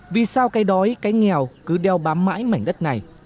vì sao cây đói cây nghèo cứ đeo bám mãi mảnh đất này